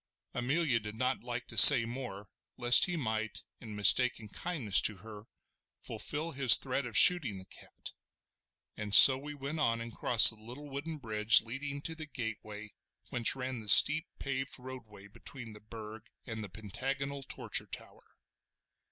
Amelia did not like to say more, lest he might, in mistaken kindness to her, fulfil his threat of shooting the cat: and so we went on and crossed the little wooden bridge leading to the gateway whence ran the steep paved roadway between the Burg and the pentagonal Torture Tower.